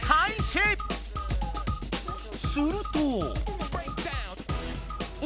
すると。